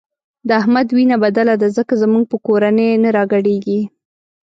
د احمد وینه بدله ده ځکه زموږ په کورنۍ نه راګډېږي.